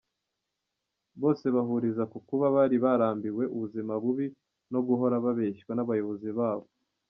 Bose bahuriza ku kuba bari barambiwe ubuzima bubi no guhora babeshywa n’abayobozi babo.